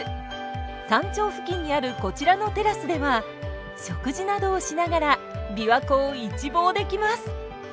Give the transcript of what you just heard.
山頂付近にあるこちらのテラスでは食事などをしながらびわ湖を一望できます。